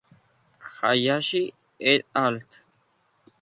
Hayashi "et al.